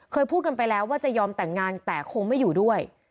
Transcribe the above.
เคยพูดกันไปแล้วว่าจะยอมแต่งงานแต่คงไม่อยู่ด้วย